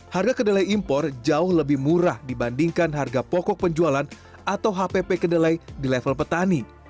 harga kedelai impor jauh lebih murah dibandingkan harga pokok penjualan atau hpp kedelai di level petani